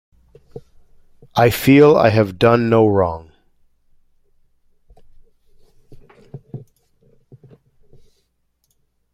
I feel I have done no wrong.